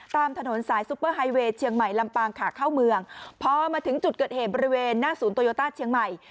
ตามถนนสายซุปเปอร์ไฮเวย์เชียงใหม่ลำปางขาเข้าเมืองพอมาถึงจุดเกิดเหตุบริเวณหน้าศูนย์โตโยต้าเชียงใหม่